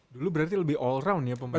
dulu berarti lebih all round ya pemimpin